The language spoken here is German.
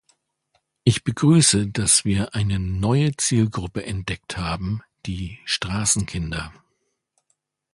Ich begrüße, dass wir eine neue Zielgruppe entdeckt haben, die Straßenkinder.